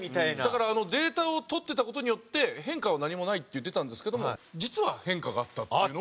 だからデータを取ってた事によって変化は何もないって言ってたんですけども実は変化があったっていうのが。